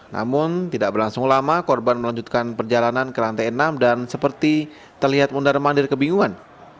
namun tidak berlangsung lama korban melanjutkan perjalanan ke lantai enam dan seperti terlihat mundar mandir kebingungan